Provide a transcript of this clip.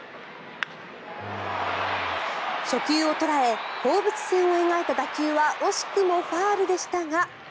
初球を捉え放物線を描いた打球は惜しくもファウルでしたが。